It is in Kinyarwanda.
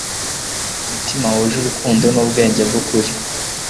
umutima wuje urukundo nubwenge bwukuri